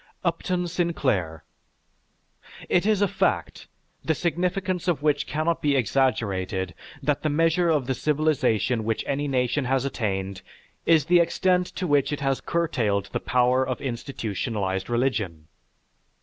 UPTON SINCLAIR It is a fact, the significance of which cannot be exaggerated, that the measure of the civilization which any nation has attained is the extent to which it has curtailed the power of institutionalized religion.